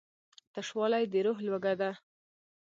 تشوالی د روح لوږه ده.